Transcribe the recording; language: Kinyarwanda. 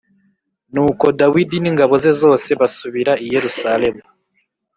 Nuko Dawidi n’ingabo ze zose basubira i Yerusalemu.